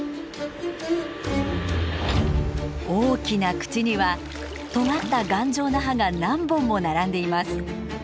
大きな口にはとがった頑丈な歯が何本も並んでいます。